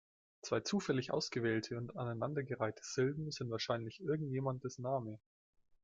Zwei zufällig ausgewählte und aneinandergereihte Silben sind wahrscheinlich irgendjemandes Name.